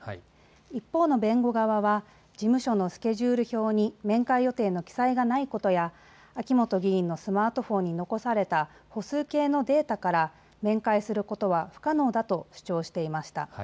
一方の弁護側は事務所のスケジュール表に面会予定の記載がないことや秋元議員のスマートフォンに残された歩数計のデータから面会することは不可能だと主張していました。